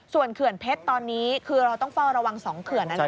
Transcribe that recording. ส่วนเขื่อนเพชรตอนนี้คือเราต้องเฝ้าระวัง๒เขื่อน